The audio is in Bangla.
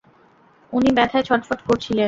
উনি ব্যাথায় ছটফট করছিলেন!